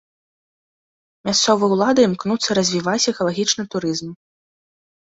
Мясцовыя ўлады імкнуцца развіваць экалагічны турызм.